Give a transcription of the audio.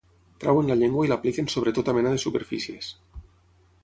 Treuen la llengua i l'apliquen sobre tota mena de superfícies.